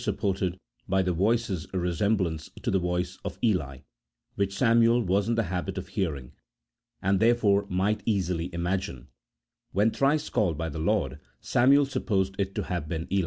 supported by the voice's resemblance to the voice of Eli, which Samuel was in the habit of hearing, and therefore might easily imagine; when thrice called by the Lord, Samuel supposed it to have been Eh.